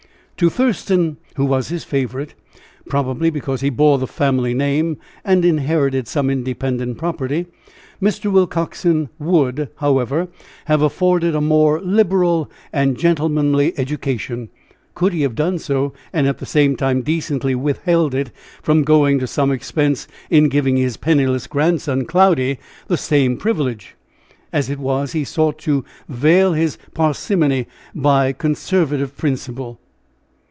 To Thurston, who was his favorite, probably because he bore the family name and inherited some independent property, Mr. Willcoxen would, however, have afforded a more liberal and gentlemanly education, could he have done so and at the same time decently withheld from going to some expense in giving his penniless grandson, Cloudy, the same privilege. As it was, he sought to veil his parsimony by conservative principle.